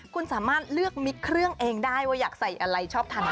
คุณสามารถเลือกมิกเครื่องเองได้